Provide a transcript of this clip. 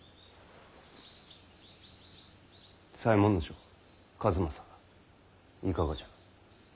左衛門尉数正いかがじゃ。